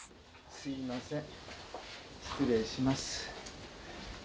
すいません失礼します。